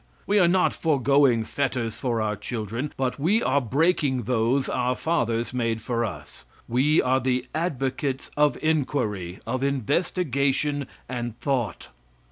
We are not forgoing fetters for our children, but we are breaking those our fathers made for us. We are the advocates of inquiry, of investigation and thought.